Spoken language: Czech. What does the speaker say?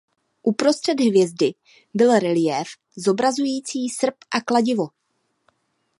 Uprostřed hvězdy byl reliéf zobrazující srp a kladivo.